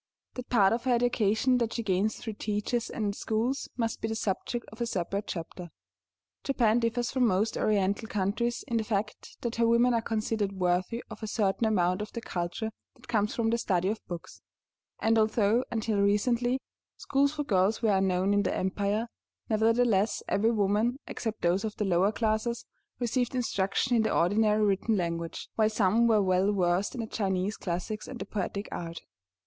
That part of her education that she gains through teachers and schools must be the subject of a separate chapter. Japan differs from most Oriental countries in the fact that her women are considered worthy of a certain amount of the culture that comes from the study of books; and although, until recently, schools for girls were unknown in the empire, nevertheless every woman, except those of the lower classes, received instruction in the ordinary written language, while some were well versed in the Chinese classics and the poetic art.